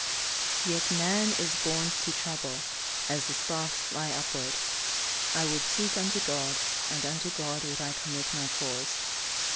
[Verse: "Yet man is born to trouble, as the sparks fly upward. I would seek unto God, and unto God would I commit my cause."